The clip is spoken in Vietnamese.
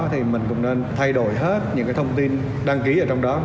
thì mình cũng nên thay đổi hết những cái thông tin đăng ký ở trong đó